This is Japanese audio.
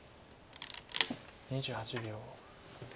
２８秒。